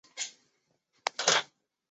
此列表为各国铀产量排行。